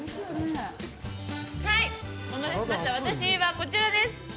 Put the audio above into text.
私はこちらです。